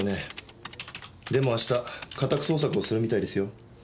でも明日家宅捜索をするみたいですよ。